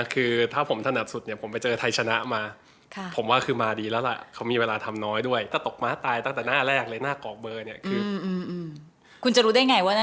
คือที่ถนัดสุดคนต่อไปเจอไทยชนะมา